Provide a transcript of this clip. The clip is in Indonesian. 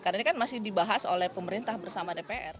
karena ini kan masih dibahas oleh pemerintah bersama dpr